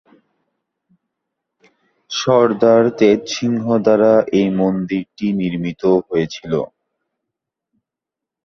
সর্দার তেজ সিংহ দ্বারা এই মন্দিরটি নির্মিত হয়েছিল।